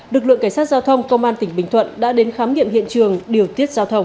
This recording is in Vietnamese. lực lượng cảnh sát giao thông công an tỉnh bình thuận đã đến khám nghiệm hiện trường điều tiết giao thông